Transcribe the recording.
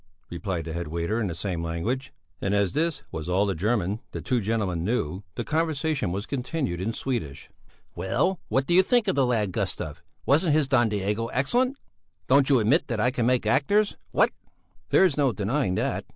replied the head waiter in the same language, and as this was all the German the two gentlemen knew, the conversation was continued in Swedish. "Well, what do you think of the lad Gustav? Wasn't his Don Diego excellent? Don't you admit that I can make actors? What?" "There's no denying that!